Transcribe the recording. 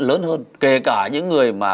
lớn hơn kể cả những người mà